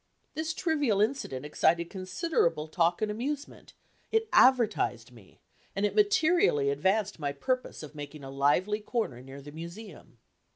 This trivial incident excited considerable talk and amusement; it advertised me; and it materially advanced my purpose of making a lively corner near the Museum.